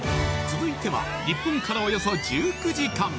続いては日本からおよそ１９時間